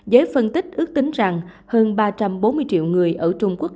giới phân tích ước tính rằng hơn ba trăm bốn mươi triệu người ở trung quốc